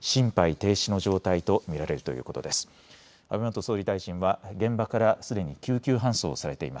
安倍元総理大臣は現場からすでに救急搬送されています。